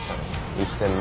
１，０００万？